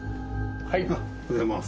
おはようございます。